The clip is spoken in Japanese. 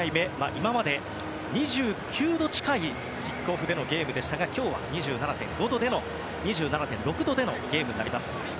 今まで２９度近いキックオフでのゲームでしたが今日は２７．６度でのゲームになります。